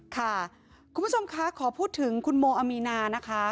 ค่ะคุณผู้ชมคะขอพูดถึงคุณโมอามีนานะคะ